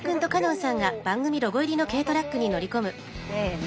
せの！